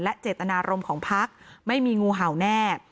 และการแสดงสมบัติของแคนดิเดตนายกนะครับ